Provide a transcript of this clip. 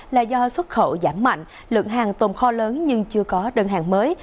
là do xuất khẩu giảm mạnh lượng hàng tồn kho lớn nhưng chưa có đơn hàng mới